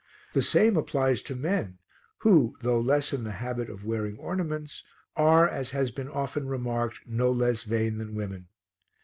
The same applies to men who, though less in the habit of wearing ornaments, are, as has been often remarked, no less vain than women.